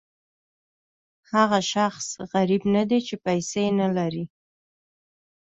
هغه شخص غریب نه دی چې پیسې نه لري.